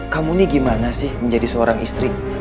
kamu ini gimana sih menjadi seorang istri